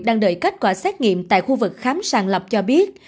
đang đợi kết quả xét nghiệm tại khu vực khám sàng lọc cho biết